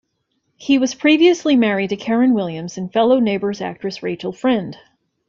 He was previously married to Karen Williams and fellow "Neighbours" actress Rachel Friend.